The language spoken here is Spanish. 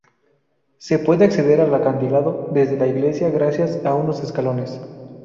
Se puede acceder al acantilado desde la iglesia gracias a unos escalones.